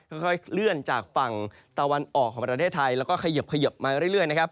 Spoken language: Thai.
ค่อยเคลื่อนจากฝั่งตะวันออกของประเทศไทยแล้วก็เขยิบมาเรื่อยนะครับ